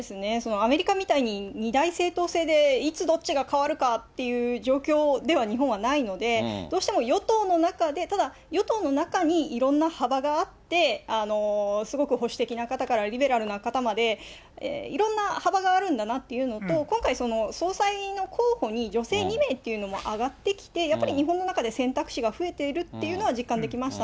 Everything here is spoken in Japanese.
アメリカみたいに、二大政党制で、いつどっちが変わるかっていう状況では、日本はないので、どうしても与党の中で、ただ、与党の中にいろんな幅があって、すごく保守的な方からリベラルな方まで、いろんな幅があるんだなっていうのと、今回、総裁の候補に女性２名っていうのも挙がってきて、やっぱり日本の中で選択肢が増えているっていうのは実感できまし